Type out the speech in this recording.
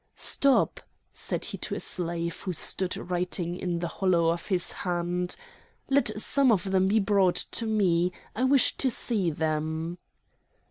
"Stop!" said he to a slave who stood writing in the hollow of his hand. "Let some of them be brought to me! I wish to see them!"